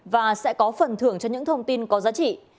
và sẽ có phần thưởng cho những thông tin có giá trị